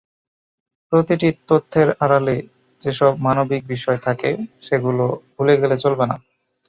প্রতিটি তথ্যের আড়ালে যেসব মানবিক বিষয় থাকে, সেগুলো ভুলে গেলে চলবে না।